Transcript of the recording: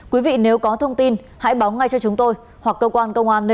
quý vị nếu có thông tin hãy báo ngay cho chúng tôi hoặc cơ quan công an nơi